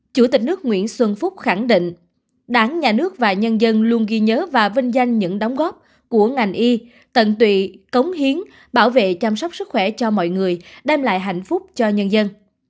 chủ tịch nước nguyễn xuân phúc khẳng định đảng nhà nước và nhân dân luôn ghi nhớ và vinh danh những đóng góp của ngành y tận tụy cống hiến bảo vệ chăm sóc sức khỏe cho mọi người đem lại hạnh phúc cho nhân dân